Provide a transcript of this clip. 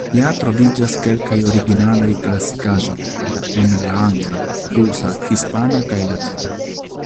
Ja troviĝas kelkaj originalaj klasikaĵoj en la Angla, Rusa, Hispana kaj Latina.